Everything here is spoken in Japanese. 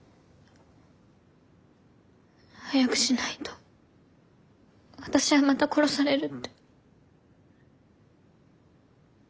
早くしないと私はまた殺されるって。